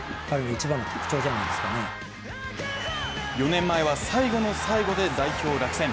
４年前は最後の最後で代表落選。